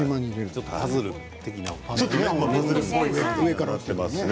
ちょっとパズル的ですね。